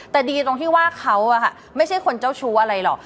แต่ดีตรงที่ว่าเขาไม่ใช่คนเจ้าชู้อะไรหรอก